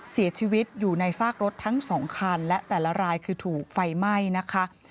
เสียชีวิตอยู่ในซากรถทั้งสองคันและแต่ละรายคือถูกไฟไหม้นะคะ